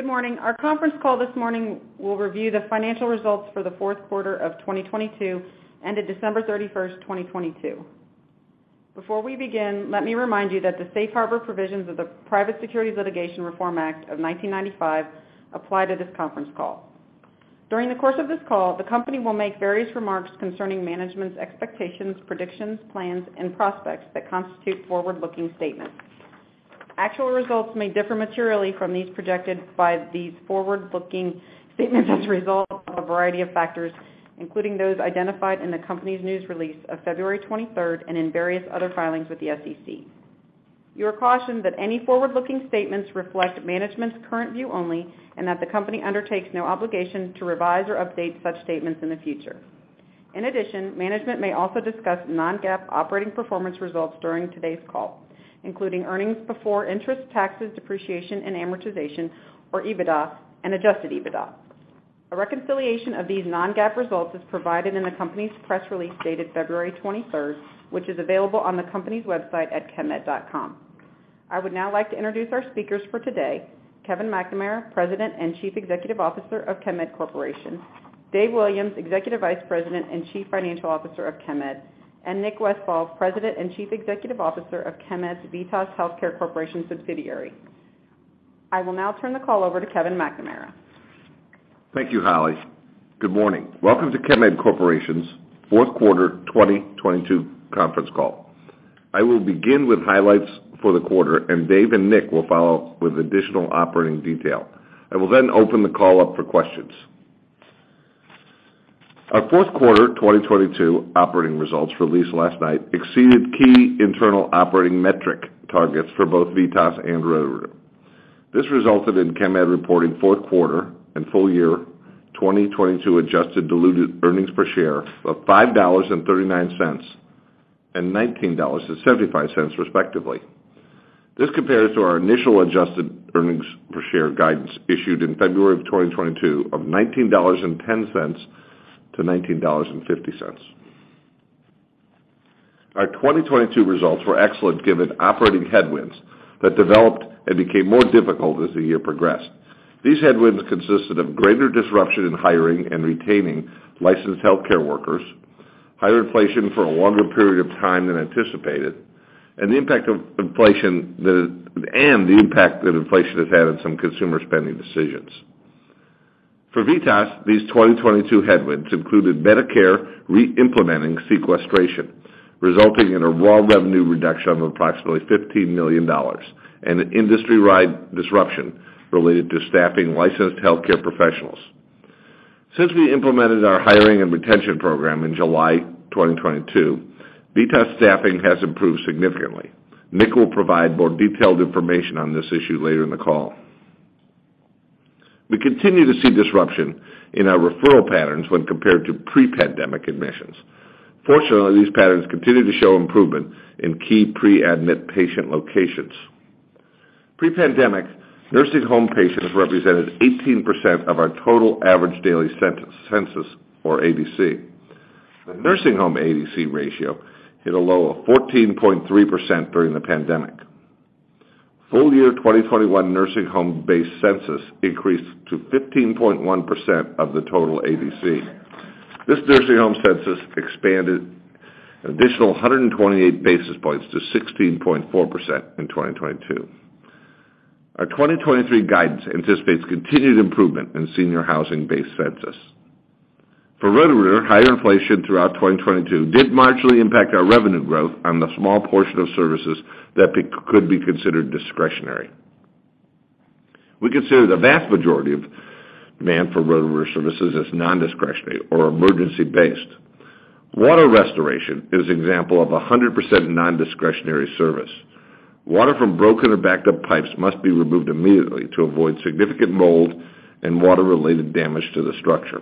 Good morning. Our conference call this morning will review the financial results for the fourth quarter of 2022, ended December 31st, 2022. Before we begin, let me remind you that the safe harbor provisions of the Private Securities Litigation Reform Act of 1995 apply to this conference call. During the course of this call, the company will make various remarks concerning management's expectations, predictions, plans, and prospects that constitute forward-looking statements. Actual results may differ materially from these projected by these forward-looking statements as a result of a variety of factors, including those identified in the company's news release of February 23rd and in various other filings with the SEC. You are cautioned that any forward-looking statements reflect management's current view only and that the company undertakes no obligation to revise or update such statements in the future. In addition, management may also discuss non-GAAP operating performance results during today's call, including earnings before interest, taxes, depreciation, and amortization, or EBITDA and adjusted EBITDA. A reconciliation of these non-GAAP results is provided in the company's press release dated February 23rd, which is available on the company's website at chemed.com. I would now like to introduce our speakers for today, Kevin McNamara, President and Chief Executive Officer of Chemed Corporation, Dave Williams, Executive Vice President and Chief Financial Officer of Chemed, and Nick Westfall, President and Chief Executive Officer of Chemed's VITAS Healthcare Corporation subsidiary. I will now turn the call over to Kevin McNamara. Thank you, Holly. Good morning. Welcome to Chemed Corporation's fourth quarter 2022 conference call. I will begin with highlights for the quarter. Dave and Nick will follow with additional operating detail. I will open the call up for questions. Our fourth quarter 2022 operating results released last night exceeded key internal operating metric targets for both VITAS and Roto-Rooter. This resulted in Chemed reporting fourth quarter and full year 2022 adjusted diluted earnings per share of $5.39 and $19.75, respectively. This compares to our initial adjusted earnings per share guidance issued in February 2022 of $19.10-$19.50. Our 2022 results were excellent given operating headwinds that developed and became more difficult as the year progressed. These headwinds consisted of greater disruption in hiring and retaining licensed healthcare workers, higher inflation for a longer period of time than anticipated, and the impact that inflation has had on some consumer spending decisions. For VITAS, these 2022 headwinds included Medicare re-implementing sequestration, resulting in a raw revenue reduction of approximately $15 million and an industry-wide disruption related to staffing licensed healthcare professionals. Since we implemented our hiring and retention program in July 2022, VITAS staffing has improved significantly. Nick will provide more detailed information on this issue later in the call. We continue to see disruption in our referral patterns when compared to pre-pandemic admissions. Fortunately, these patterns continue to show improvement in key pre-admit patient locations. Pre-pandemic, nursing home patients represented 18% of our total average daily census, or ADC. The nursing home ADC ratio hit a low of 14.3% during the pandemic. Full year 2021 nursing home-based census increased to 15.1% of the total ADC. This nursing home census expanded an additional 128 basis points to 16.4% in 2022. Our 2023 guidance anticipates continued improvement in senior housing-based census. For Roto-Rooter, higher inflation throughout 2022 did marginally impact our revenue growth on the small portion of services that could be considered discretionary. We consider the vast majority of demand for Roto-Rooter services as nondiscretionary or emergency-based. water restoration is an example of a 100% nondiscretionary service. Water from broken or backed up pipes must be removed immediately to avoid significant mold and water-related damage to the structure.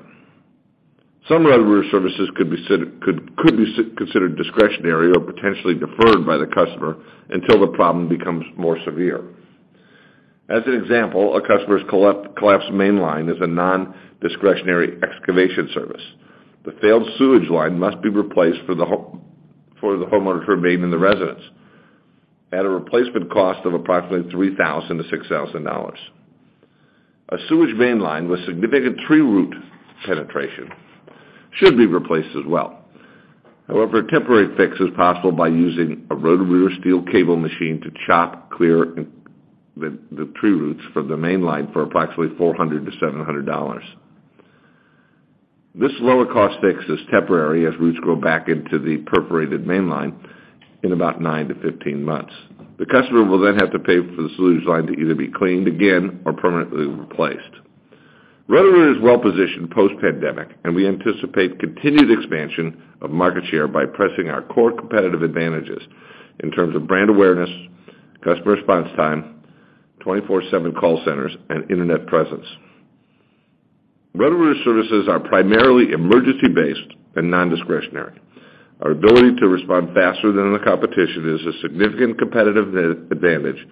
Some Roto-Rooter services could be considered discretionary or potentially deferred by the customer until the problem becomes more severe. As an example, a customer's collapsed main line is a nondiscretionary excavation service. The failed sewage line must be replaced for the homeowner to remain in the residence at a replacement cost of approximately $3,000-$6,000. A sewage main line with significant tree root penetration should be replaced as well. However, a temporary fix is possible by using a Roto-Rooter steel cable machine to chop clear the tree roots from the main line for approximately $400-$700. This lower-cost fix is temporary as roots grow back into the perforated main line in about 9 to 15 months. The customer will then have to pay for the sewage line to either be cleaned again or permanently replaced. We anticipate continued expansion of market share by pressing our core competitive advantages in terms of brand awareness, customer response time, 24/7 call centers, and internet presence. Roto-Rooter services are primarily emergency-based and nondiscretionary. Our ability to respond faster than the competition is a significant competitive advantage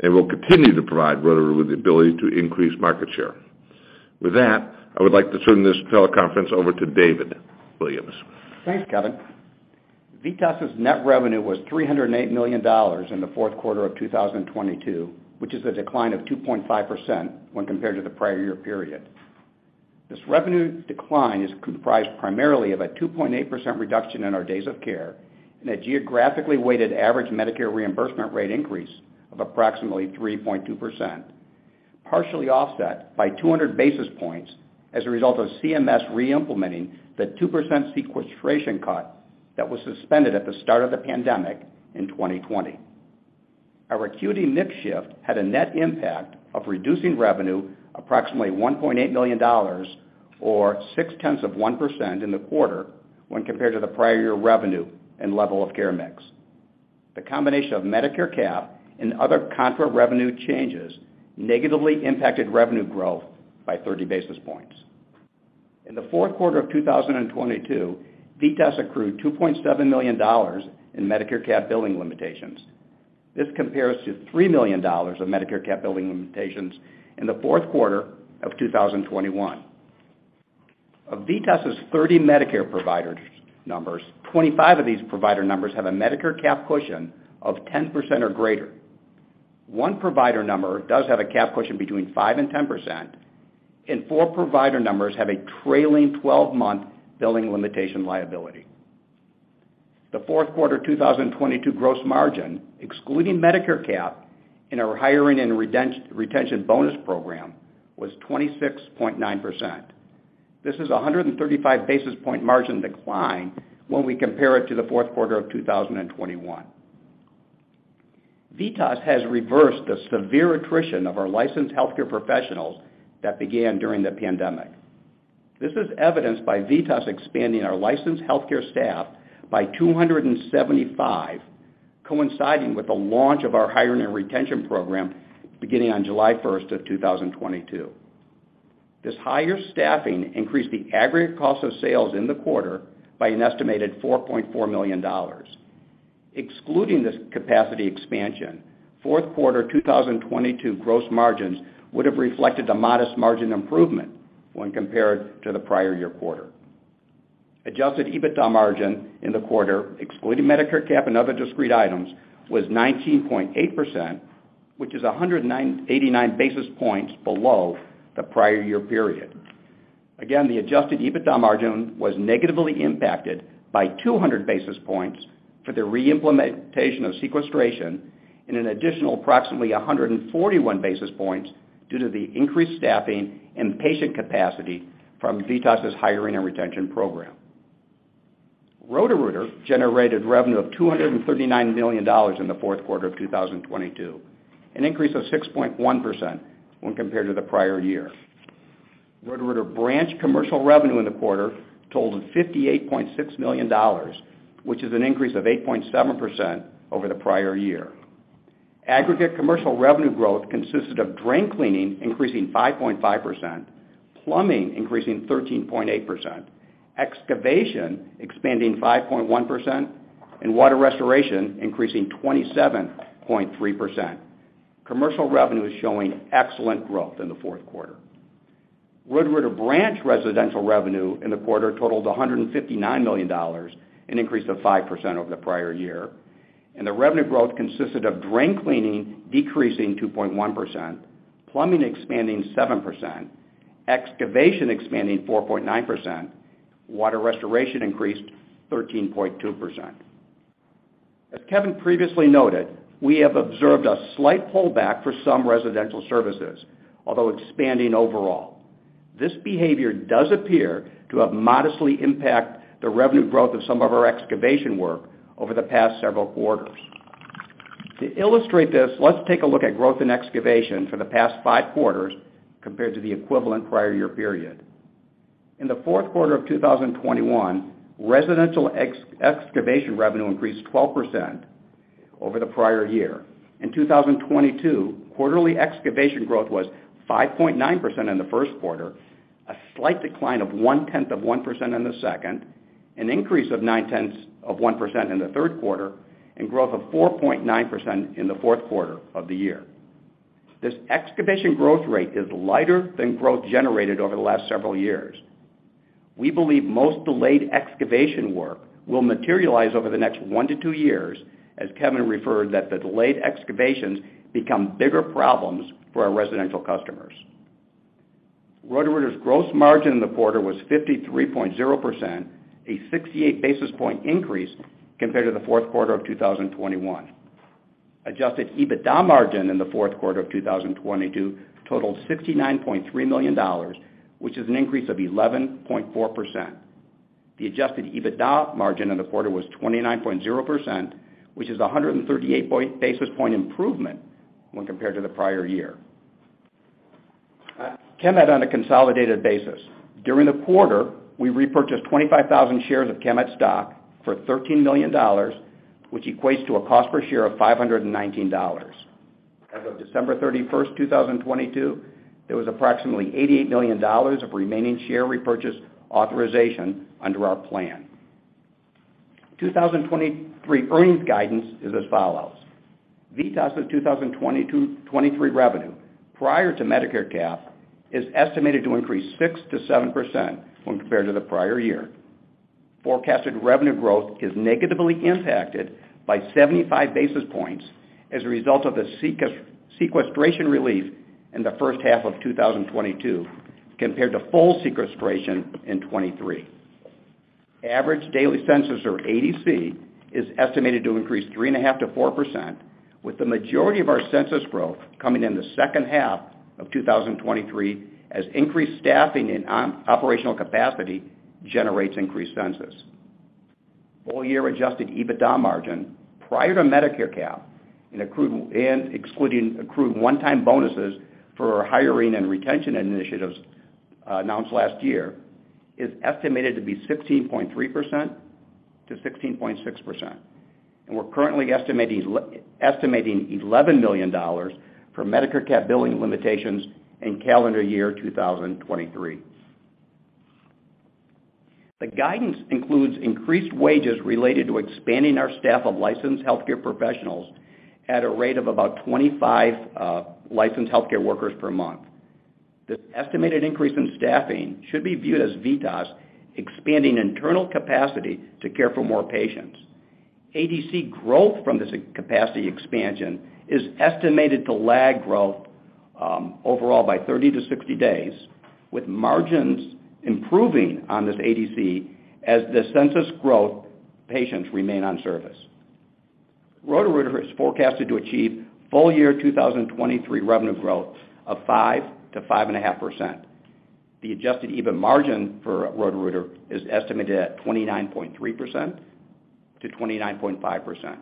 and will continue to provide Roto-Rooter with the ability to increase market share. With that, I would like to turn this teleconference over to David Williams. Thanks, Kevin. VITAS's net revenue was $308 million in the fourth quarter of 2022, which is a decline of 2.5% when compared to the prior year period. This revenue decline is comprised primarily of a 2.8% reduction in our days of care and a geographically weighted average Medicare reimbursement rate increase of approximately 3.2%, partially offset by 200 basis points as a result of CMS re-implementing the 2% sequestration cut that was suspended at the start of the pandemic in 2020. Our acuity mix shift had a net impact of reducing revenue approximately $1.8 million or 0.6% in the quarter when compared to the prior year revenue and level of care mix. The combination of Medicare Cap and other contra revenue changes negatively impacted revenue growth by 30 basis points. In the fourth quarter of 2022, VITAS accrued $2.7 million in Medicare Cap billing limitations. This compares to $3 million of Medicare Cap billing limitations in the fourth quarter of 2021. Of VITAS's 30 Medicare provider numbers, 25 of these provider numbers have a Medicare Cap cushion of 10% or greater. One provider number does have a Cap cushion between 5% and 10%, and four provider numbers have a trailing twelve-month billing limitation liability. The fourth quarter 2022 gross margin, excluding Medicare Cap and our hiring and retention bonus program, was 26.9%. This is a 135 basis point margin decline when we compare it to the fourth quarter of 2021. VITAS has reversed the severe attrition of our licensed healthcare professionals that began during the pandemic. This is evidenced by VITAS expanding our licensed healthcare staff by 275, coinciding with the launch of our hiring and retention program beginning on July 1st of 2022. This higher staffing increased the aggregate cost of sales in the quarter by an estimated $4.4 million. Excluding this capacity expansion, fourth quarter 2022 gross margins would have reflected a modest margin improvement when compared to the prior year quarter. Adjusted EBITDA margin in the quarter, excluding Medicare Cap and other discrete items, was 19.8%, which is 89 basis points below the prior year period. The adjusted EBITDA margin was negatively impacted by 200 basis points for the re-implementation of sequestration and an additional approximately 141 basis points due to the increased staffing and patient capacity from VITAS's hiring and retention program. Roto-Rooter generated revenue of $239 million in the fourth quarter of 2022, an increase of 6.1% when compared to the prior year. Roto-Rooter branch commercial revenue in the quarter totaled $58.6 million, which is an increase of 8.7% over the prior year. Aggregate commercial revenue growth consisted of drain cleaning increasing 5.5%, plumbing increasing 13.8%, excavation expanding 5.1%, and water restoration increasing 27.3%. Commercial revenue is showing excellent growth in the fourth quarter. Roto-Rooter branch residential revenue in the quarter totaled $159 million, an increase of 5% over the prior year. The revenue growth consisted of drain cleaning decreasing 2.1%, plumbing expanding 7%, excavation expanding 4.9%, water restoration increased 13.2%. As Kevin previously noted, we have observed a slight pullback for some residential services, although expanding overall. This behavior does appear to have modestly impact the revenue growth of some of our excavation work over the past several quarters. To illustrate this, let's take a look at growth in excavation for the past five quarters compared to the equivalent prior year period. In the fourth quarter of 2021, residential excavation revenue increased 12% over the prior year. In 2022, quarterly excavation growth was 5.9% in the first quarter, a slight decline of 0.1% in the second, an increase of 0.9% in the third quarter, growth of 4.9% in the fourth quarter of the year. This excavation growth rate is lighter than growth generated over the last several years. We believe most delayed excavation work will materialize over the next one to two years, as Kevin referred that the delayed excavations become bigger problems for our residential customers. Roto-Rooter's gross margin in the quarter was 53.0%, a 68 basis point increase compared to the fourth quarter of 2021. Adjusted EBITDA margin in the fourth quarter of 2022 totaled $69.3 million, which is an increase of 11.4%. The Adjusted EBITDA margin in the quarter was 29.0%, which is a 138 basis point improvement when compared to the prior year. Chemed on a consolidated basis. During the quarter, we repurchased 25,000 shares of Chemed stock for $13 million, which equates to a cost per share of $519. As of December 31, 2022, there was approximately $88 million of remaining share repurchase authorization under our plan. 2023 earnings guidance is as follows. VITAS' 2022-23 revenue prior to Medicare Cap is estimated to increase 6%-7% when compared to the prior year. Forecasted revenue growth is negatively impacted by 75 basis points as a result of the sequestration relief in the first half of 2022 compared to full sequestration in 2023. Average daily census, or ADC, is estimated to increase 3.5%-4%, with the majority of our census growth coming in the second half of 2023 as increased staffing and operational capacity generates increased census. Full year adjusted EBITDA margin prior to Medicare Cap and excluding accrued one-time bonuses for our hiring and retention initiatives, announced last year, is estimated to be 16.3%-16.6%, and we're currently estimating $11 million for Medicare Cap billing limitations in calendar year 2023. The guidance includes increased wages related to expanding our staff of licensed healthcare professionals at a rate of about 25 licensed healthcare workers per month. This estimated increase in staffing should be viewed as VITAS expanding internal capacity to care for more patients. ADC growth from this capacity expansion is estimated to lag growth overall by 30-60 days, with margins improving on this ADC as the census growth patients remain on service. Roto-Rooter is forecasted to achieve full year 2023 revenue growth of 5%-5.5%. The adjusted EBIT margin for Roto-Rooter is estimated at 29.3%-29.5%.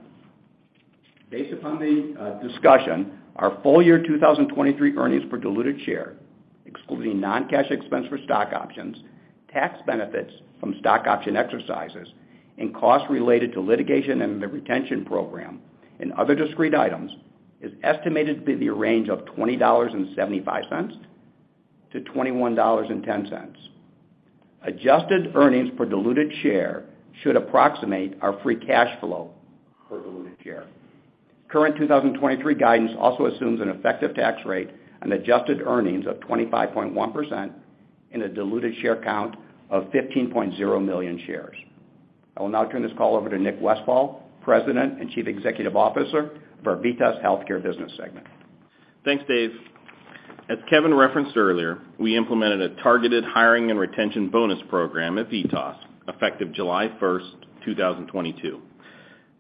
Based upon the discussion, our full year 2023 earnings per diluted share, excluding non-cash expense for stock options, tax benefits from stock option exercises, and costs related to litigation and the retention program, and other discrete items, is estimated to be in the range of $20.75-$21.10. Adjusted earnings per diluted share should approximate our free cash flow per diluted share. Current 2023 guidance also assumes an effective tax rate on adjusted earnings of 25.1% and a diluted share count of 15.0 million shares. I will now turn this call over to Nick Westfall, President and Chief Executive Officer for our VITAS Healthcare business segment. Thanks, Dave. As Kevin referenced earlier, we implemented a targeted hiring and retention bonus program at VITAS effective July 1st, 2022.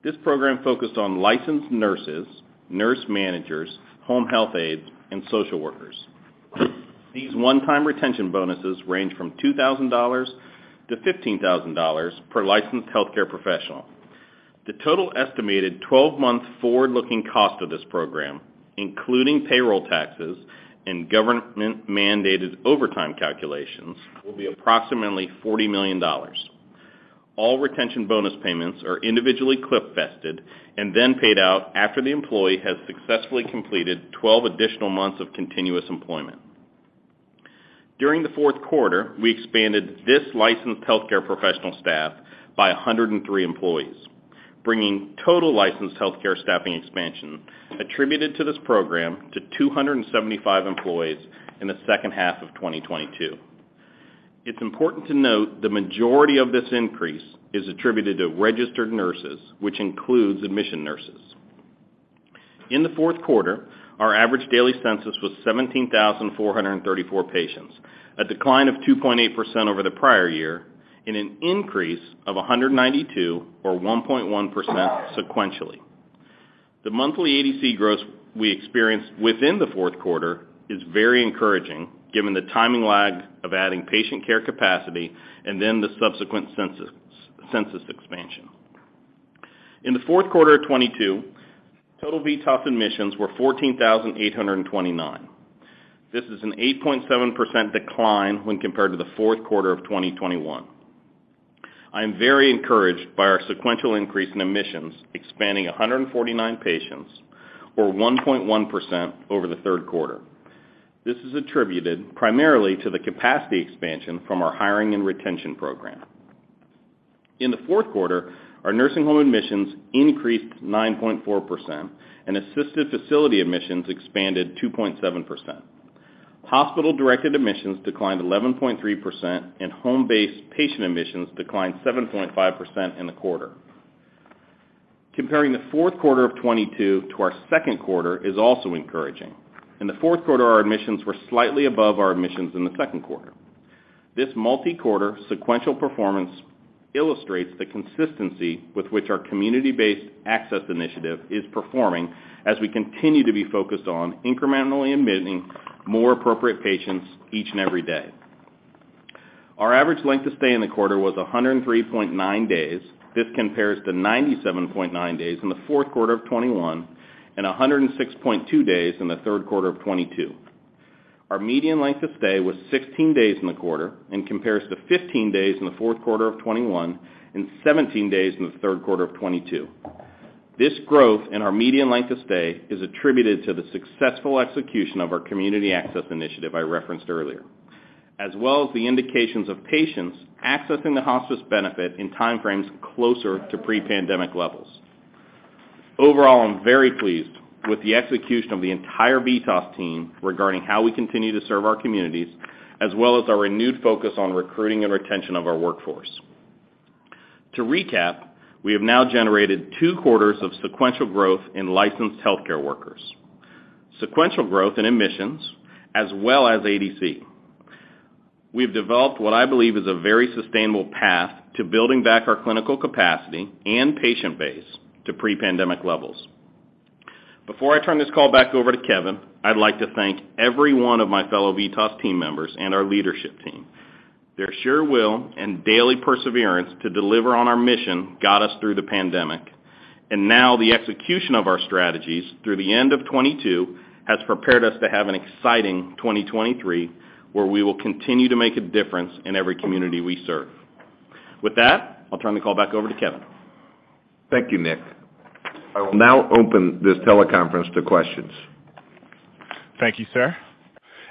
This program focused on licensed nurses, nurse managers, home health aides, and social workers. These one-time retention bonuses range from $2,000-$15,000 per licensed healthcare professional. The total estimated 12-month forward-looking cost of this program, including payroll taxes and government-mandated overtime calculations, will be approximately $40 million. All retention bonus payments are individually cliff vested and then paid out after the employee has successfully completed 12 additional months of continuous employment. During the fourth quarter, we expanded this licensed healthcare professional staff by 103 employees, bringing total licensed healthcare staffing expansion attributed to this program to 275 employees in the second half of 2022. It's important to note that majority of this increase is attributed to registered nurses, which includes admission nurses. In the fourth quarter, our average daily census was 17,434 patients, a decline of 2.8% over the prior year and an increase of 192, or 1.1% sequentially. The monthly ADC growth we experienced within the fourth quarter is very encouraging given the timing lag of adding patient care capacity and then the subsequent census expansion. In the fourth quarter of 2022, total VITAS admissions were 14,829. This is an 8.7% decline when compared to the fourth quarter of 2021. I am very encouraged by our sequential increase in admissions, expanding 149 patients or 1.1% over the third quarter. This is attributed primarily to the capacity expansion from our hiring and retention program. In the fourth quarter, our nursing home admissions increased 9.4%, and assisted facility admissions expanded 2.7%. Hospital-directed admissions declined 11.3%, and home-based patient admissions declined 7.5% in the quarter. Comparing the fourth quarter of 2022 to our second quarter is also encouraging. In the fourth quarter, our admissions were slightly above our admissions in the second quarter. This multi-quarter sequential performance illustrates the consistency with which our community-based access initiative is performing as we continue to be focused on incrementally admitting more appropriate patients each and every day. Our average length of stay in the quarter was 103.9 days. This compares to 97.9 days in the fourth quarter of 2021 and 106.2 days in the third quarter of 2022. Our median length of stay was 16 days in the quarter and compares to 15 days in the fourth quarter of 2021 and 17 days in the third quarter of 2022. This growth in our median length of stay is attributed to the successful execution of our Community Access Initiative I referenced earlier. The indications of patients accessing the hospice benefit in time frames closer to pre-pandemic levels. Overall, I'm very pleased with the execution of the entire VITAS team regarding how we continue to serve our communities, as well as our renewed focus on recruiting and retention of our workforce. To recap, we have now generated two quarters of sequential growth in licensed healthcare workers, sequential growth in admissions, as well as ADC. We've developed what I believe is a very sustainable path to building back our clinical capacity and patient base to pre-pandemic levels. Before I turn this call back over to Kevin, I'd like to thank every one of my fellow VITAS team members and our leadership team. Their sheer will and daily perseverance to deliver on our mission got us through the pandemic. Now the execution of our strategies through the end of 2022 has prepared us to have an exciting 2023, where we will continue to make a difference in every community we serve. With that, I'll turn the call back over to Kevin. Thank you, Nick. I will now open this teleconference to questions. Thank you, sir.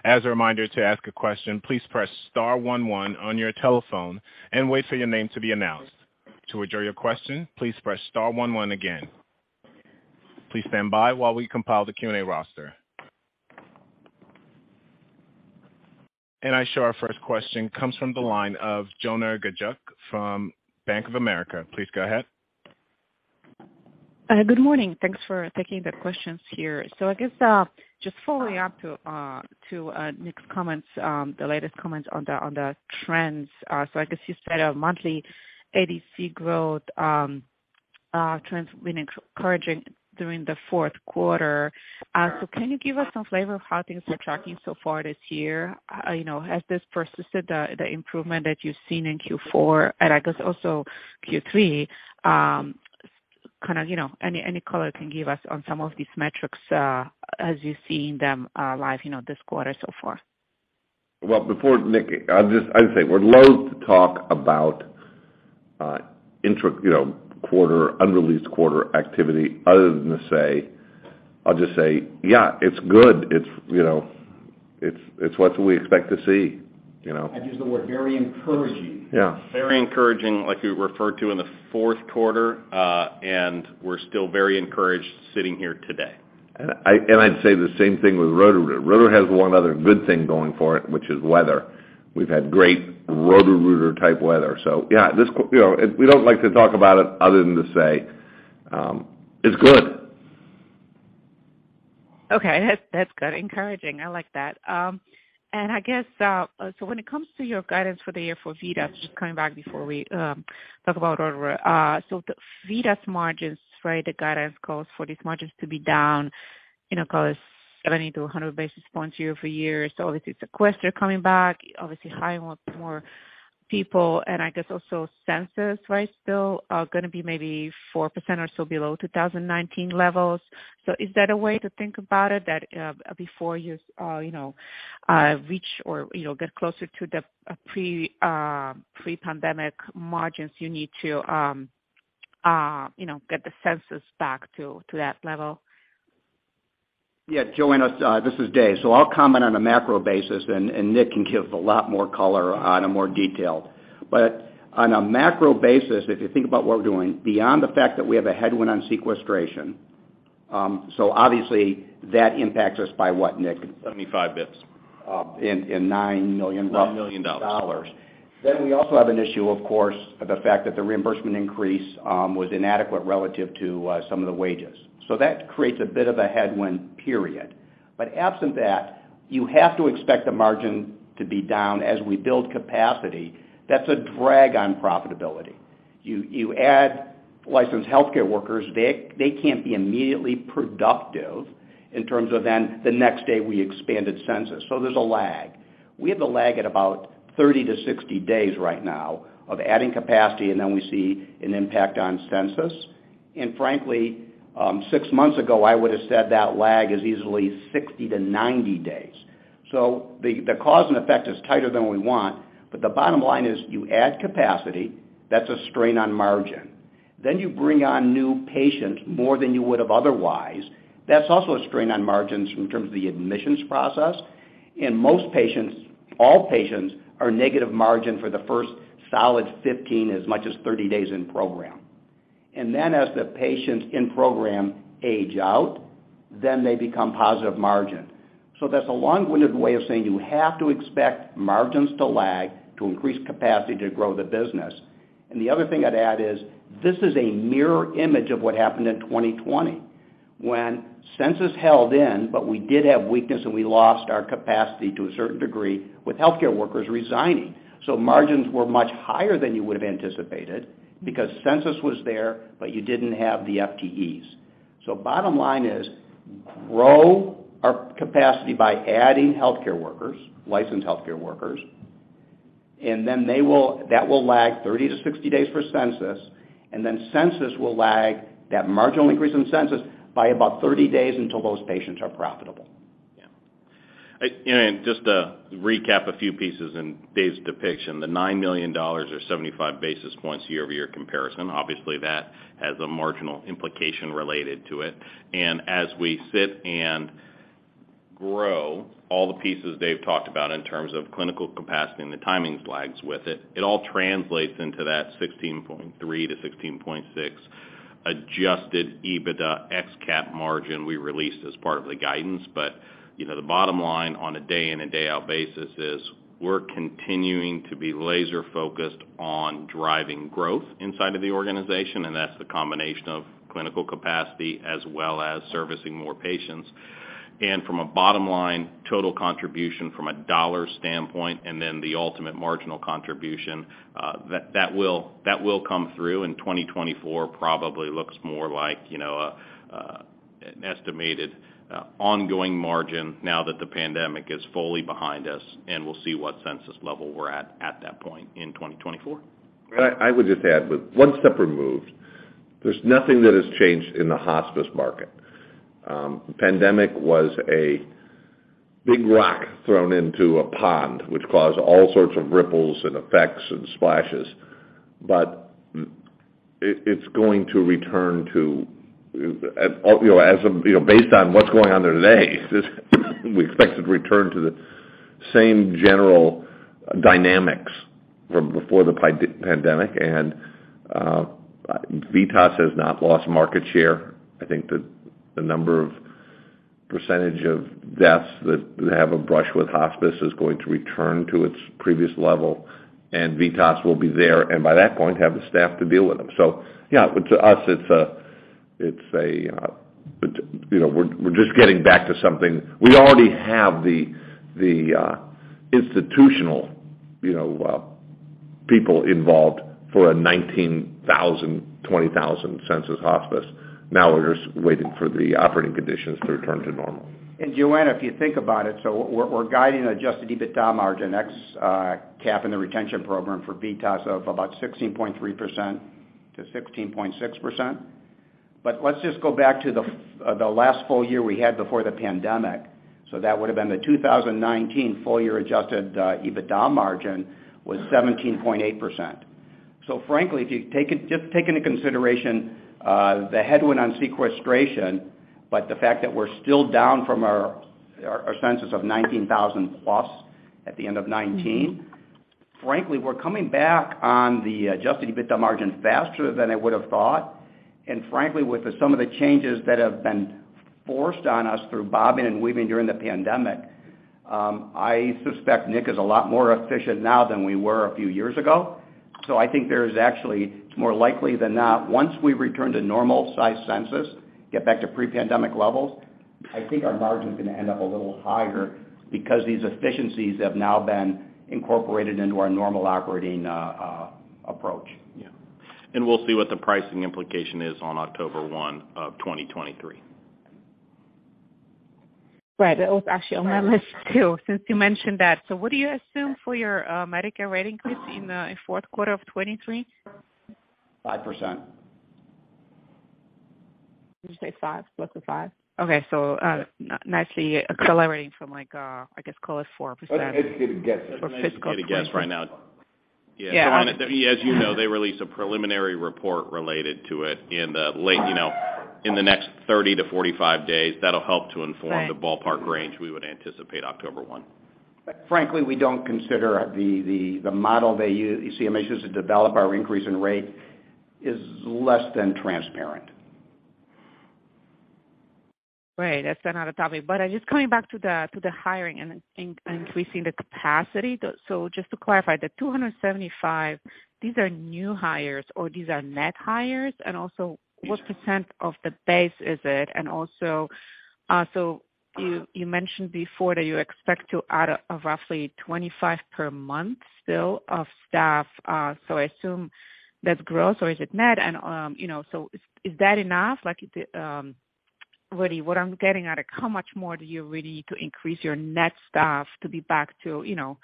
As a reminder to ask a question, please press star one one on your telephone and wait for your name to be announced. To withdraw your question, please press star one again. Please stand by while we compile the Q&A roster. I show our first question comes from the line of Joanna Gajuk from Bank of America. Please go ahead. Good morning. Thanks for taking the questions here. I guess, just following up to Nick's comments, the latest comments on the trends. I guess you said a monthly ADC growth trends been encouraging during the fourth quarter. Can you give us some flavor of how things are tracking so far this year? You know, has this persisted, the improvement that you've seen in Q4 and I guess also Q3? Kind of, you know, any color can give us on some of these metrics, as you've seen them live, you know, this quarter so far? Before Nick, I'd say we're loathe to talk about, you know, unreleased quarter activity other than to say, I'll say, "Yeah, it's good." It's, you know, it's what we expect to see, you know. I'd use the word very encouraging. Yeah. Very encouraging, like you referred to in the fourth quarter, we're still very encouraged sitting here today. I'd say the same thing with Roto-Rooter. Roto has one other good thing going for it, which is weather. We've had great Roto-Rooter type weather. Yeah, this you know, we don't like to talk about it other than to say, it's good. Okay. That's, that's good. Encouraging. I like that. I guess, so when it comes to your guidance for the year for VITAS, just coming back before we talk about Roto-Rooter. The VITAS margins, right, the guidance calls for these margins to be down, you know, call it 70 to 100 basis points year-over-year. Obviously, sequester coming back, obviously hiring a lot more people, and I guess also census, right, still gonna be maybe 4% or so below 2019 levels. Is that a way to think about it, that, before you know, reach or, you know, get closer to the pre-pandemic margins, you need to, you know, get the census back to that level? Yeah. Joanna, this is Dave. I'll comment on a macro basis and Nick can give a lot more color on a more detail. On a macro basis, if you think about what we're doing, beyond the fact that we have a headwind on sequestration, obviously that impacts us by what, Nick? 75 basis points. $9 million. $9 million. We also have an issue, of course, of the fact that the reimbursement increase was inadequate relative to some of the wages. That creates a bit of a headwind period. Absent that, you have to expect the margin to be down as we build capacity. That's a drag on profitability. You add licensed healthcare workers, they can't be immediately productive in terms of then the next day we expanded census. There's a lag. We have a lag at about 30 to 60 days right now of adding capacity, and then we see an impact on census. Frankly, six months ago, I would have said that lag is easily 60 to 90 days. The cause and effect is tighter than we want. The bottom line is you add capacity, that's a strain on margin. You bring on new patients more than you would have otherwise. That's also a strain on margins in terms of the admissions process. Most patients, all patients are negative margin for the first solid 15, as much as 30 days in program. As the patients in program age out, then they become positive margin. That's a long-winded way of saying you have to expect margins to lag to increase capacity to grow the business. The other thing I'd add is this is a mirror image of what happened in 2020, when census held in, but we did have weakness and we lost our capacity to a certain degree with healthcare workers resigning. Margins were much higher than you would have anticipated because census was there, but you didn't have the FTEs. Bottom line is grow our capacity by adding healthcare workers, licensed healthcare workers, and then that will lag 30 to 60 days for census, and then census will lag that marginal increase in census by about 30 days until those patients are profitable. Yeah. you know, just to recap a few pieces in Dave's depiction, the $9 million or 75 basis points year-over-year comparison, obviously that has a marginal implication related to it. as we sit. Grow all the pieces Dave talked about in terms of clinical capacity and the timing flags with it. It all translates into that 16.3%-16.6% adjusted EBITDA ex Cap margin we released as part of the guidance. You know, the bottom line on a day in and day out basis is we're continuing to be laser-focused on driving growth inside of the organization, and that's the combination of clinical capacity as well as servicing more patients. From a bottom line, total contribution from a dollar standpoint, and then the ultimate marginal contribution that will come through, and 2024 probably looks more like, you know, an estimated ongoing margin now that the pandemic is fully behind us, and we'll see what census level we're at at that point in 2024. I would just add with one step removed, there's nothing that has changed in the hospice market. pandemic was a big rock thrown into a pond, which caused all sorts of ripples and effects and splashes. it's going to return to, you know, based on what's going on there today we expect it to return to the same general dynamics from before the pandemic. VITAS has not lost market share. I think the number of percentage of deaths that have a brush with hospice is going to return to its previous level, and VITAS will be there, and by that point, have the staff to deal with them. yeah, to us, it's a, you know, we're just getting back to something. We already have the institutional, you know, people involved for a 19,000, 20,000 census hospice. We're just waiting for the operating conditions to return to normal. Joanna, if you think about it, we're guiding adjusted EBITDA margin ex, Cap and the retention program for VITAS of about 16.3% to 16.6%. Let's just go back to the last full year we had before the pandemic. That would have been the 2019 full year adjusted EBITDA margin was 17.8%. Frankly, if you just take into consideration the headwind on sequestration, but the fact that we're still down from our census of 19,000+ at the end of 2019. Mm-hmm. Frankly, we're coming back on the adjusted EBITDA margin faster than I would have thought. Frankly, with some of the changes that have been forced on us through bobbing and weaving during the pandemic, I suspect Nick is a lot more efficient now than we were a few years ago. I think there is actually, it's more likely than not, once we return to normal size census, get back to pre-pandemic levels, I think our margin is gonna end up a little higher because these efficiencies have now been incorporated into our normal operating approach. Yeah. we'll see what the pricing implication is on October one of 2023. Right. That was actually on my list, too, since you mentioned that. What do you assume for your Medicare rate increase in the fourth quarter of 2023? 5%. Did you say five? What's the five? Okay. Yeah. nicely accelerating from like, I guess close 4%. It gets- For fiscal 2024. It gets right now. Yeah. As you know, they release a preliminary report related to it in the late, you know, in the next 30-45 days. That'll help to inform. Right. the ballpark range we would anticipate October one. Frankly, we don't consider the model they CM issues to develop our increase in rate is less than transparent. Right. That's another topic. Just coming back to the hiring and increasing the capacity. So just to clarify, the 275, these are new hires or these are net hires? What percent of the base is it? You, you mentioned before that you expect to add, roughly 25 per month still of staff. So I assume that's gross or is it net? You know, is that enough? Like, really what I'm getting at is how much more do you really need to increase your net staff to be back to, you know,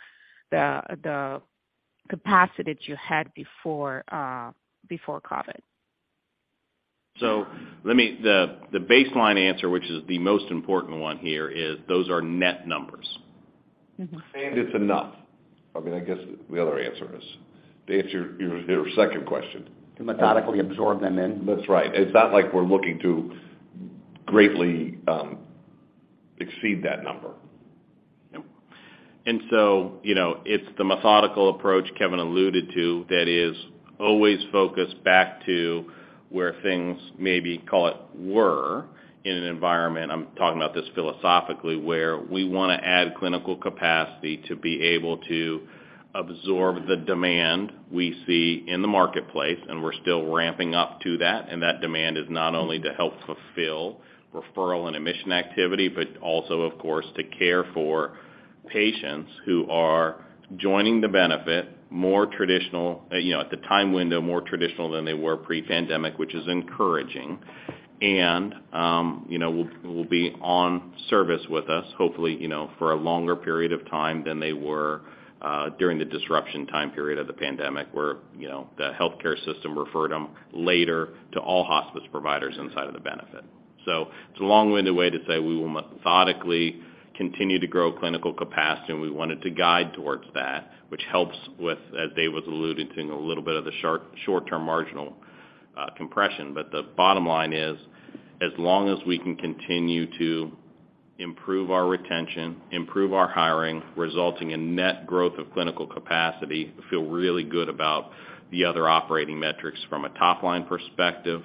the capacity that you had before COVID? The baseline answer, which is the most important one here, is those are net numbers. Mm-hmm. It's enough. I mean, I guess the other answer is, to answer your second question. To methodically absorb them in. That's right. It's not like we're looking to greatly exceed that number. Yep. You know, it's the methodical approach Kevin alluded to that is always focused back to where things maybe call it were in an environment, I'm talking about this philosophically, where we wanna add clinical capacity to be able to absorb the demand we see in the marketplace, and we're still ramping up to that. That demand is not only to help fulfill referral and admission activity, but also, of course, to care for patients who are joining the benefit, more traditional, you know, at the time window, more traditional than they were pre-pandemic, which is encouraging. You know, will be on service with us, hopefully, you know, for a longer period of time than they were during the disruption time period of the pandemic, where, you know, the healthcare system referred them later to all hospice providers inside of the benefit. It's a long-winded way to say we will methodically continue to grow clinical capacity, and we wanted to guide towards that, which helps with, as Dave was alluding to, a little bit of the short-term marginal compression. The bottom line is, as long as we can continue to improve our retention, improve our hiring, resulting in net growth of clinical capacity. Feel really good about the other operating metrics from a top line perspective,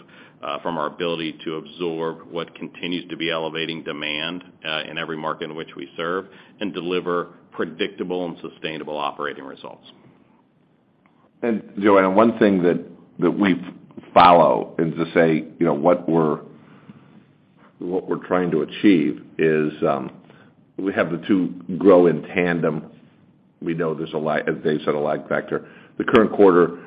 from our ability to absorb what continues to be elevating demand in every market in which we serve and deliver predictable and sustainable operating results. Joanna, one thing that we follow and to say, you know, what we're trying to achieve is, we have the two grow in tandem. We know there's a lag, as Dave said, a lag factor. The current quarter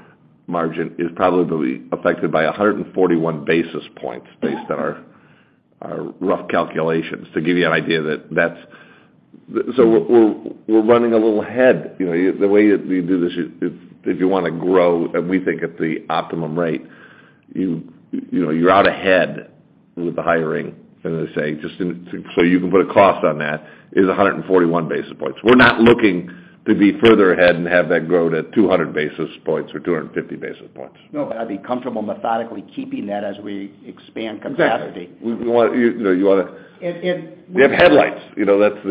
margin is probably affected by 141 basis points based on our rough calculations to give you an idea. We're running a little ahead. You know, the way you do this, if you wanna grow, and we think at the optimum rate, you know, you're out ahead with the hiring. They say, just so you can put a cost on that, is 141 basis points. We're not looking to be further ahead and have that grow to 200 basis points or 250 basis points. No, but I'd be comfortable methodically keeping that as we expand capacity. Exactly. We want you. You know, you wanna. If, if- We have headlights, you know, that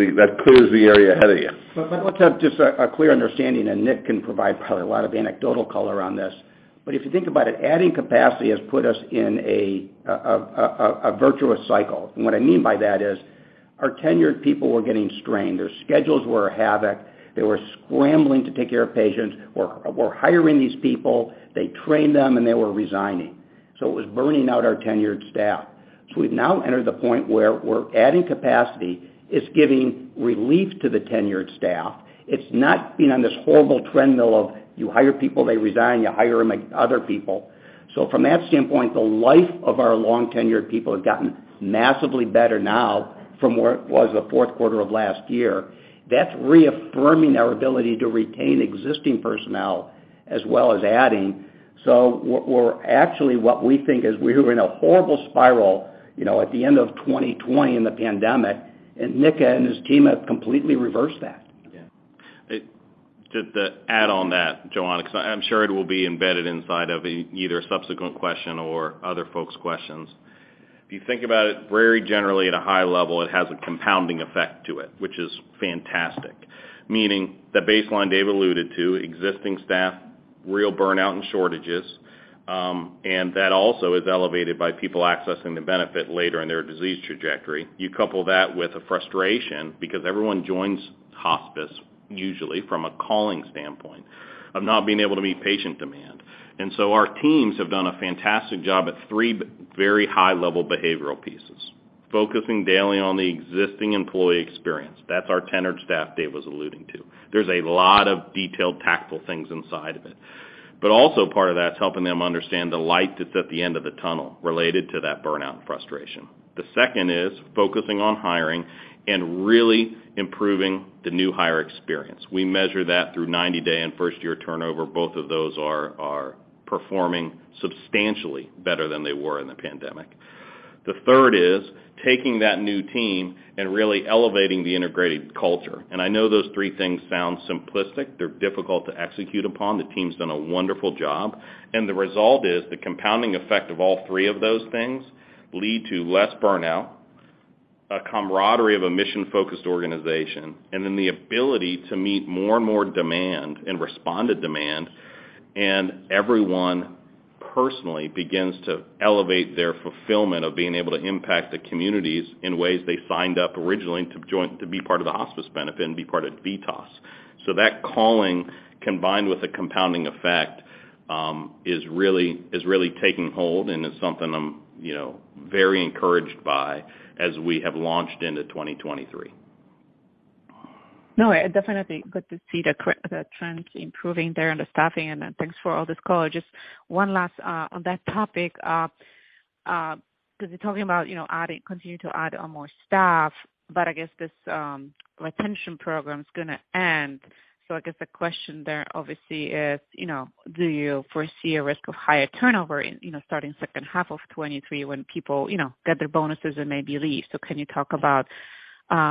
clears the area ahead of you. Let's have just a clear understanding, and Nick can provide probably a lot of anecdotal color on this. If you think about it, adding capacity has put us in a virtuous cycle. What I mean by that is our tenured people were getting strained, their schedules were a havoc, they were scrambling to take care of patients. We're hiring these people, they train them, and they were resigning. It was burning out our tenured staff. We've now entered the point where we're adding capacity. It's giving relief to the tenured staff. It's not been on this horrible trend mill of you hire people, they resign, you hire other people. From that standpoint, the life of our long-tenured people has gotten massively better now from where it was the fourth quarter of last year. That's reaffirming our ability to retain existing personnel as well as adding. Actually, what we think is we were in a horrible spiral, you know, at the end of 2020 in the pandemic. Nick and his team have completely reversed that. Yeah. Just to add on that, Joanna, because I'm sure it will be embedded inside of either a subsequent question or other folks' questions. If you think about it, very generally at a high level, it has a compounding effect to it, which is fantastic. Meaning the baseline Dave alluded to, existing staff, real burnout and shortages, and that also is elevated by people accessing the benefit later in their disease trajectory. You couple that with a frustration because everyone joins hospice, usually from a calling standpoint of not being able to meet patient demand. So our teams have done a fantastic job at three very high-level behavioral pieces, focusing daily on the existing employee experience. That's our tenured staff Dave was alluding to. There's a lot of detailed tactical things inside of it, but also part of that's helping them understand the light that's at the end of the tunnel related to that burnout frustration. The second is focusing on hiring and really improving the new hire experience. We measure that through 90-day and first-year turnover. Both of those are performing substantially better than they were in the pandemic. The third is taking that new team and really elevating the integrated culture. I know those three things sound simplistic. They're difficult to execute upon. The team's done a wonderful job, and the result is the compounding effect of all three of those things lead to less burnout, a camaraderie of a mission-focused organization, and then the ability to meet more and more demand and respond to demand. Everyone personally begins to elevate their fulfillment of being able to impact the communities in ways they signed up originally to be part of the hospice benefit and be part of VITAS. That calling, combined with a compounding effect, is really taking hold and is something I'm, you know, very encouraged by as we have launched into 2023. No, definitely good to see the trend improving there and the staffing and thanks for all this color. Just one last on that topic, because you're talking about, you know, continuing to add on more staff, but I guess this retention program is gonna end. I guess the question there obviously is, you know, do you foresee a risk of higher turnover in, you know, starting second half of 2023 when people, you know, get their bonuses and maybe leave? Can you talk about,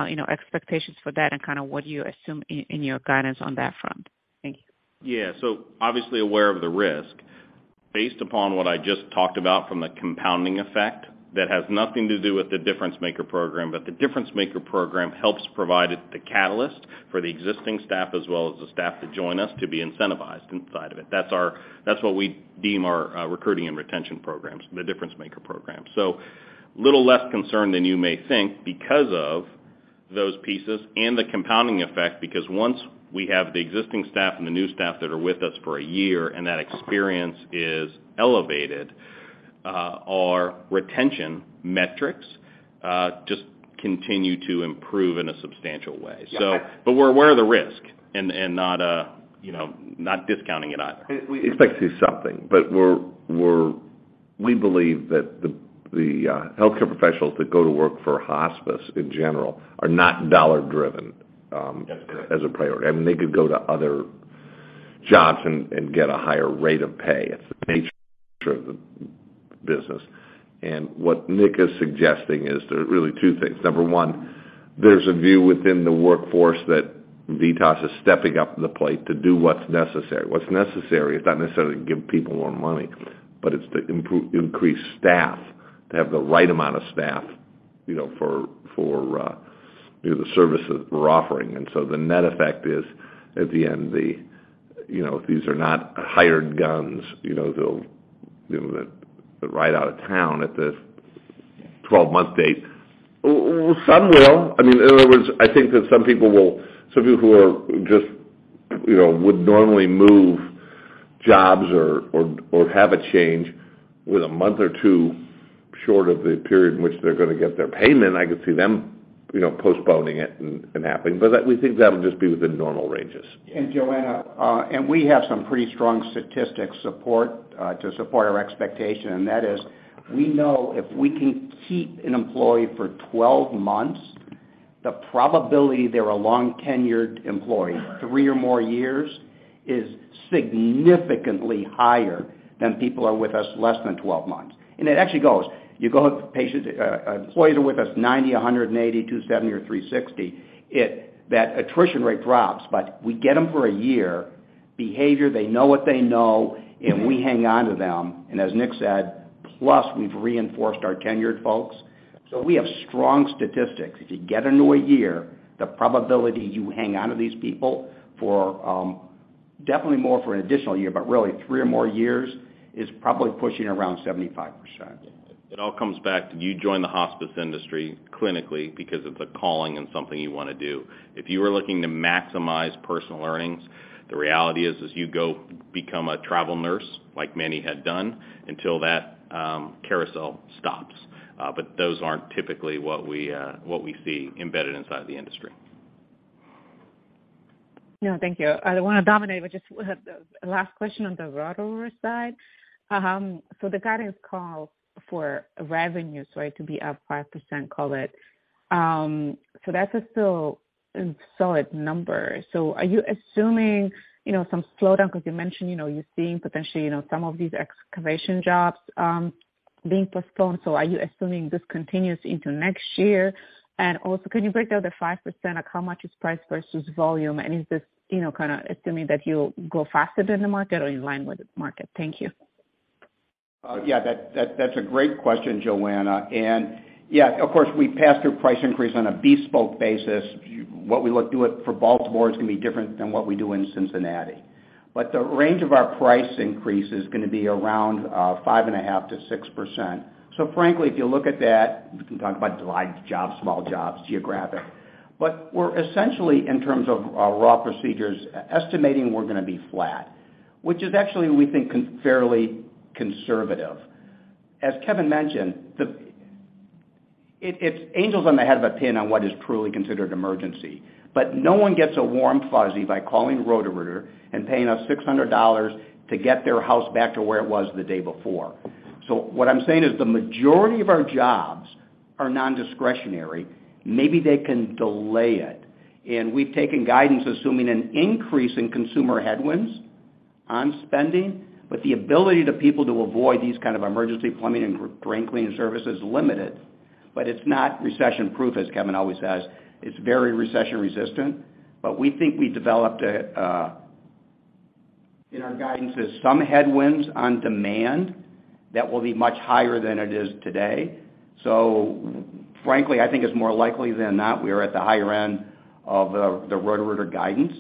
you know, expectations for that and kind of what you assume in your guidance on that front? Thank you. Yeah. Obviously aware of the risk. Based upon what I just talked about from the compounding effect, that has nothing to do with the Difference Maker program, but the Difference Maker program helps provide the catalyst for the existing staff as well as the staff to join us to be incentivized inside of it. That's what we deem our recruiting and retention programs, the Difference Maker program. Little less concerned than you may think because of those pieces and the compounding effect, because once we have the existing staff and the new staff that are with us for a year and that experience is elevated, our retention metrics just continue to improve in a substantial way. We're aware of the risk and not, you know, not discounting it either. We expect to see something, but we believe that the healthcare professionals that go to work for hospice in general are not dollar-driven. That's correct.... as a priority. I mean, they could go to other jobs and get a higher rate of pay. It's the nature of the business. What Nick is suggesting is there are really two things. Number one, there's a view within the workforce that VITAS is stepping up to the plate to do what's necessary. What's necessary is not necessarily to give people more money, but it's to increase staff, to have the right amount of staff. You know, for, you know, the services we're offering. The net effect is, at the end, the, you know, these are not hired guns. You know, they'll, you know, ride out of town at this 12-month date. Some will. I mean, in other words, I think that some people who are just, you know, would normally move jobs or have a change with a month or two short of the period in which they're gonna get their payment, I could see them, you know, postponing it and happening. We think that'll just be within normal ranges. Joanna, we have some pretty strong statistics support to support our expectation, and that is, we know if we can keep an employee for 12 months, the probability they're a long-tenured employee, three or more years, is significantly higher than people who are with us less than 12 months. It actually goes. You go up employees are with us 90, 180, 270 or 360, that attrition rate drops. We get them for 1 year, behavior, they know what they know, and we hang on to them. As Nick said, plus we've reinforced our tenured folks. We have strong statistics. If you get into 1 year, the probability you hang on to these people for definitely more for an additional year, but really three or more years, is probably pushing around 75%. It all comes back to you join the hospice industry clinically because of the calling and something you wanna do. If you were looking to maximize personal earnings, the reality is, you go become a travel nurse, like many had done, until that carousel stops. Those aren't typically what we see embedded inside the industry. No, thank you. I don't wanna dominate, but just last question on the Roto-Rooter side. The guidance call for revenue, it could be up 5% call it. That's a still solid number. Are you assuming, you know, some slowdown? 'Cause you mentioned, you know, you're seeing potentially, you know, some of these excavation jobs being postponed. Are you assuming this continues into next year? Also, can you break down the 5% of how much is price versus volume? Is this, you know, kinda assuming that you'll grow faster than the market or in line with the market? Thank you. Yeah, that's a great question, Joanna. Yeah, of course, we pass through price increase on a bespoke basis. What we look to it for Baltimore is gonna be different than what we do in Cincinnati. The range of our price increase is gonna be around 5.5%-6%. Frankly, if you look at that, we can talk about line, jobs, small jobs, geographic. We're essentially, in terms of raw procedures, estimating we're gonna be flat, which is actually we think fairly conservative. As Kevin mentioned, it's angels on the head of a pin on what is truly considered emergency. No one gets a warm fuzzy by calling Roto-Rooter and paying us $600 to get their house back to where it was the day before. What I'm saying is the majority of our jobs are nondiscretionary. Maybe they can delay it. We've taken guidance assuming an increase in consumer headwinds on spending, but the ability to people to avoid these kind of emergency plumbing and drain cleaning service is limited. It's not recession-proof, as Kevin always says. It's very recession-resistant. We think we developed a in our guidance, as some headwinds on demand that will be much higher than it is today. Frankly, I think it's more likely than not, we are at the higher end of the Roto-Rooter guidance.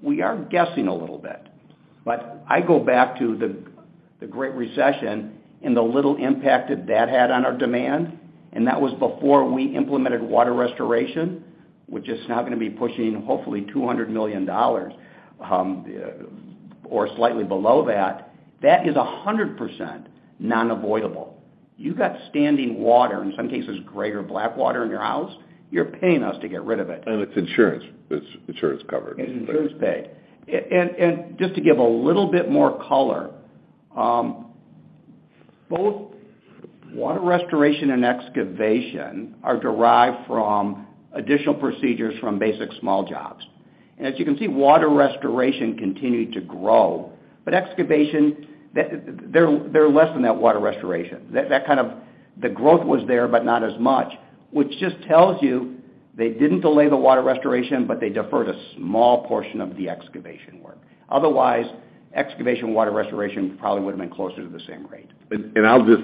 We are guessing a little bit. I go back to the Great Recession and the little impact that that had on our demand, and that was before we implemented water restoration, which is now gonna be pushing hopefully $200 million, or slightly below that. That is 100% non-avoidable. You got standing water, in some cases, gray or black water in your house, you're paying us to get rid of it. It's insurance. It's insurance covered. It's insurance paid. Just to give a little bit more color, both water restoration and excavation are derived from additional procedures from basic small jobs. As you can see, water restoration continued to grow. Excavation, they're less than that water restoration. The growth was there, but not as much, which just tells you they didn't delay the water restoration, but they deferred a small portion of the excavation work. Otherwise, excavation water restoration probably would've been closer to the same rate. I'll just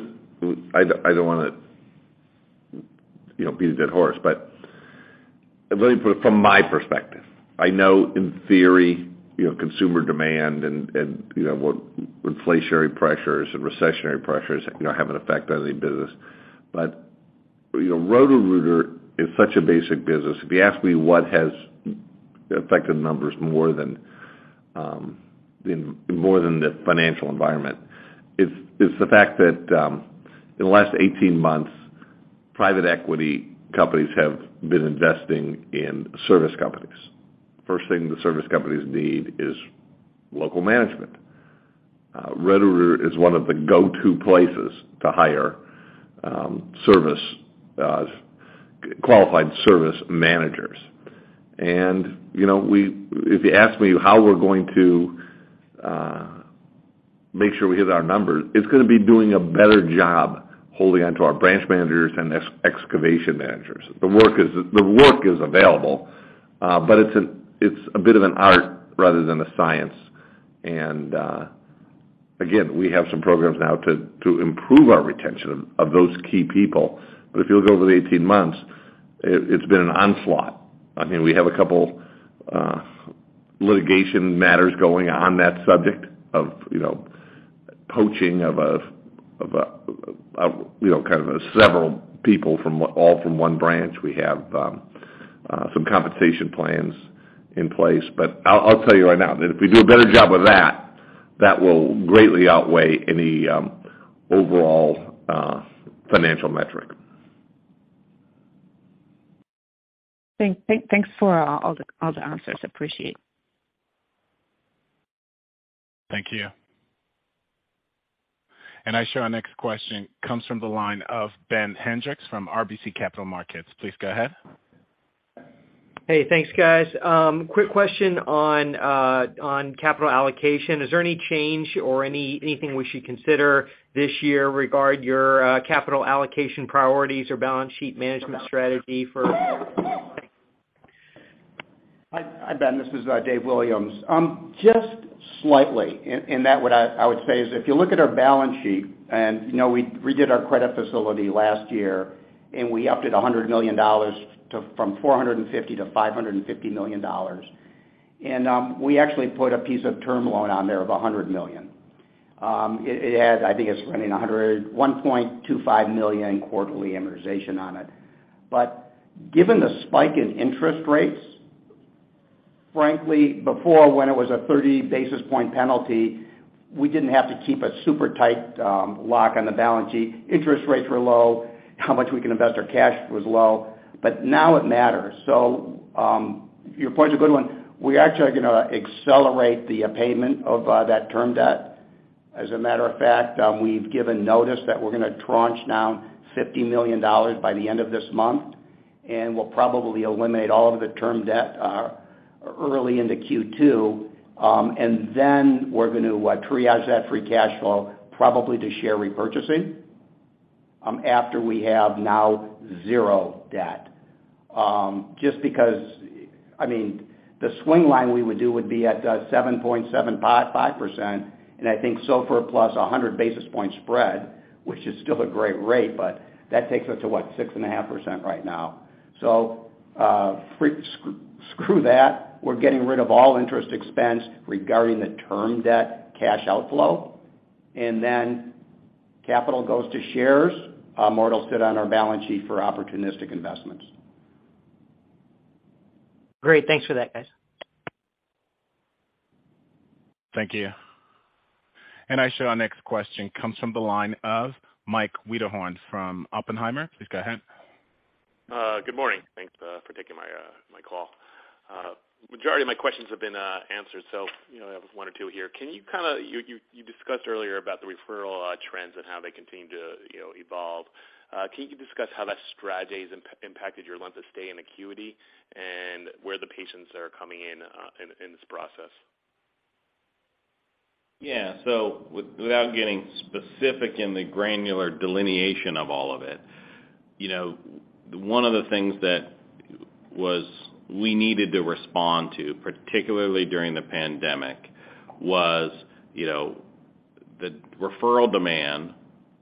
I don't wanna, you know, beat a dead horse, but let me put it from my perspective. I know in theory, you know, consumer demand and, you know, inflationary pressures and recessionary pressures, you know, have an effect on any business. You know, Roto-Rooter is such a basic business. If you ask me what has affected numbers more than more than the financial environment, it's the fact that in the last 18 months, private equity companies have been investing in service companies. First thing the service companies need is local management. Roto-Rooter is one of the go-to places to hire service qualified service managers. You know, we if you ask me how we're going to make sure we hit our numbers, it's gonna be doing a better job holding onto our branch managers and excavation managers. The work is available, but it's a bit of an art rather than a science. We have some programs now to improve our retention of those key people. If you look over the 18 months, it's been an onslaught. I mean, we have a couple litigation matters going on that subject of, you know, poaching of a, you know, kind of several people from all from one branch. We have some compensation plans in place. I'll tell you right now that if we do a better job of that will greatly outweigh any overall financial metric. Thanks for all the answers. Appreciate it. Thank you. I show our next question comes from the line of Ben Hendrix from RBC Capital Markets. Please go ahead. Hey, thanks, guys. Quick question on capital allocation. Is there any change or anything we should consider this year regarding your capital allocation priorities or balance sheet management strategy for? Hi, Ben Hendrix, this is Dave Williams. Just slightly in that what I would say is if you look at our balance sheet and, you know, we redid our credit facility last year, and we upped it $100 million from $450 million-$550 million. We actually put a piece of term loan on there of $100 million. I think it's running $1.25 million in quarterly amortization on it. Given the spike in interest rates, frankly, before when it was a 30 basis point penalty, we didn't have to keep a super tight lock on the balance sheet. Interest rates were low, how much we can invest our cash was low, but now it matters. Your point is a good one. We actually are gonna accelerate the payment of that term debt. As a matter of fact, we've given notice that we're gonna tranche down $50 million by the end of this month, and we'll probably eliminate all of the term debt early into Q2. We're gonna, what, triage that free cash flow probably to share repurchasing after we have now zero debt. Just because, I mean, the swing line we would do would be at 5%, and I think SOFR plus 100 basis point spread, which is still a great rate, but that takes us to, what, 6.5% right now. Screw that. We're getting rid of all interest expense regarding the term debt cash outflow. Capital goes to shares, mortal sit on our balance sheet for opportunistic investments. Great. Thanks for that, guys. Thank you. I show our next question comes from the line of Mike Wiederhorn from Oppenheimer. Please go ahead. Good morning. Thanks for taking my call. Majority of my questions have been answered, so, you know, I have one or two here. Can you discussed earlier about the referral trends and how they continue to, you know, evolve. Can you discuss how that strategy has impacted your length of stay in acuity and where the patients are coming in this process? Yeah. Without getting specific in the granular delineation of all of it, you know, one of the things that we needed to respond to, particularly during the pandemic, was, you know, the referral demand,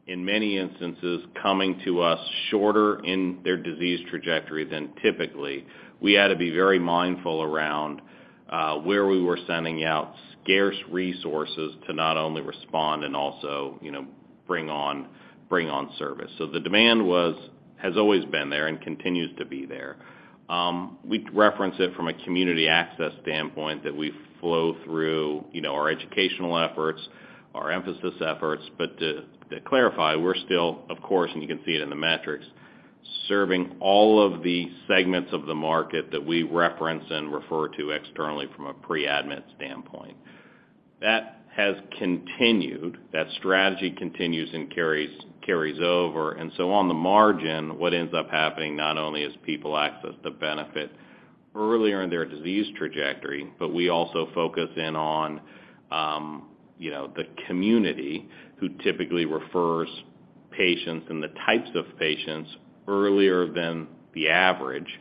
in many instances, coming to us shorter in their disease trajectory than typically. We had to be very mindful around where we were sending out scarce resources to not only respond and also, you know, bring on service. The demand has always been there and continues to be there. We reference it from a community access standpoint that we flow through, you know, our educational efforts, our emphasis efforts. To clarify, we're still, of course, and you can see it in the metrics, serving all of the segments of the market that we reference and refer to externally from a pre-admin standpoint. That has continued. That strategy continues and carries over. On the margin, what ends up happening not only as people access the benefit earlier in their disease trajectory, but we also focus in on, you know, the community who typically refers patients and the types of patients earlier than the average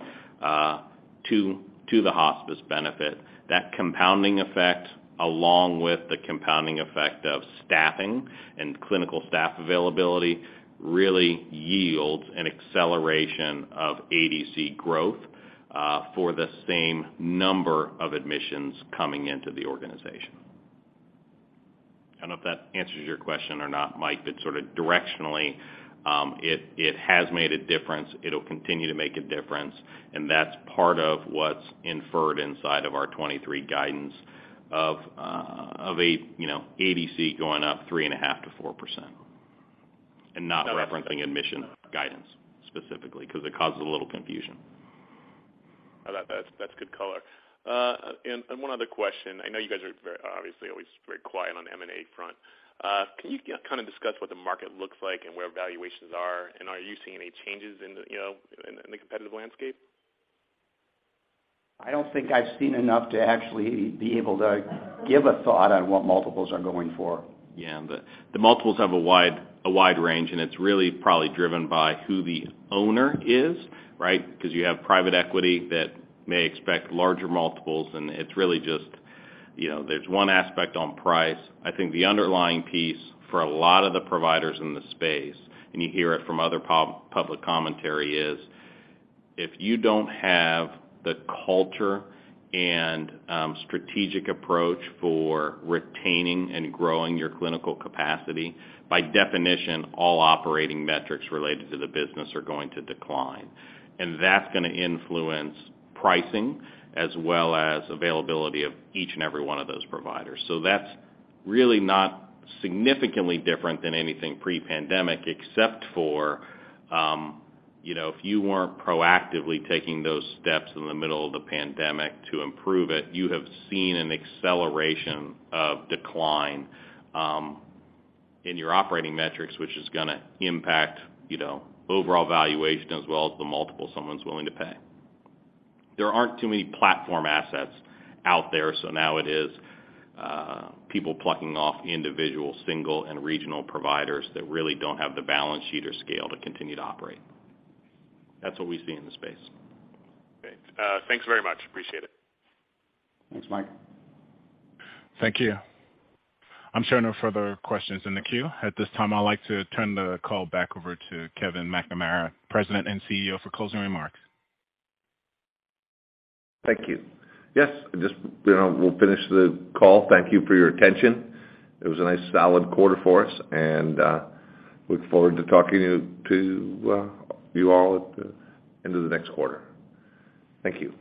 to the hospice benefit. That compounding effect, along with the compounding effect of staffing and clinical staff availability, really yields an acceleration of ADC growth for the same number of admissions coming into the organization. I don't know if that answers your question or not, Mike, but sort of directionally, it has made a difference. It'll continue to make a difference, and that's part of what's inferred inside of our 2023 guidance of a, you know, ADC going up 3.5%-4%. Not referencing admission guidance specifically because it causes a little confusion. I like that. That's good color. One other question. I know you guys are obviously always very quiet on M&A front. Can you kind of discuss what the market looks like and where valuations are, and are you seeing any changes in the, you know, in the competitive landscape? I don't think I've seen enough to actually be able to give a thought on what multiples are going for. Yeah. The multiples have a wide range. It's really probably driven by who the owner is, right? You have private equity that may expect larger multiples. It's really just You know, there's one aspect on price. I think the underlying piece for a lot of the providers in the space, and you hear it from other public commentary, is if you don't have the culture and strategic approach for retaining and growing your clinical capacity, by definition, all operating metrics related to the business are going to decline. That's gonna influence pricing as well as availability of each and every one of those providers. That's really not significantly different than anything pre-pandemic except for, you know, if you weren't proactively taking those steps in the middle of the pandemic to improve it, you have seen an acceleration of decline in your operating metrics, which is gonna impact, you know, overall valuation as well as the multiple someone's willing to pay. There aren't too many platform assets out there, so now it is people plucking off individual, single, and regional providers that really don't have the balance sheet or scale to continue to operate. That's what we see in the space. Great. thanks very much. Appreciate it. Thanks, Mike. Thank you. I'm showing no further questions in the queue. At this time, I'd like to turn the call back over to Kevin McNamara, President and CEO, for closing remarks. Thank you. Yes, just, you know, we'll finish the call. Thank you for your attention. It was a nice, solid quarter for us, and look forward to talking to you all at the end of the next quarter. Thank you.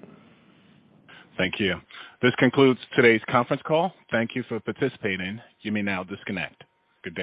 Thank you. This concludes today's conference call. Thank you for participating. You may now disconnect. Good day.